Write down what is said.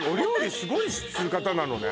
すごいする方なのね